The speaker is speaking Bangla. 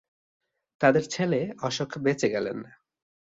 তাদের ছেলে অশোক বেঁচে গেলেন।